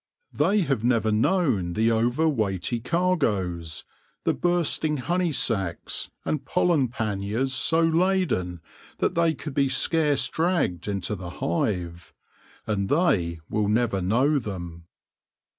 They have never known the overweighty cargoes, the bursting honey sacs, and pollen panniers so laden that they could be scarce dragged into the hive, and they will never know them.